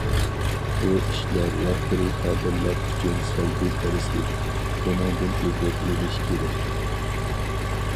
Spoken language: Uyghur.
بۇ ئىشلار رەھبىرىي كادىرلار ئۈچۈن سەلبىي دەرسلىك، بۇنىڭدىن ئىبرەت ئېلىش كېرەك.